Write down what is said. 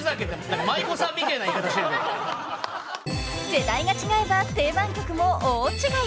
［世代が違えば定番曲も大違い］